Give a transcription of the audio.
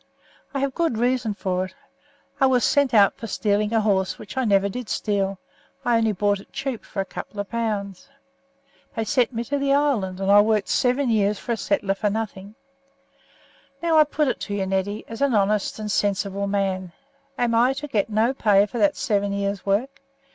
I have good reasons for it. I was sent out for stealing a horse, which I never did steal; I only bought it cheap for a couple of pounds. They sent me to the island, and I worked seven years for a settler for nothing. Now I put it to you, Neddy, as an honest and sensible man, Am I to get no pay for that seven years' work?